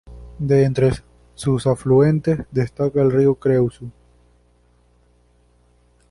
De entre sus afluentes destaca el río Creuse.